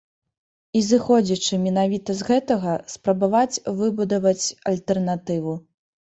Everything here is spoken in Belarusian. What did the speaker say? І, зыходзячы менавіта з гэтага, спрабаваць выбудаваць альтэрнатыву.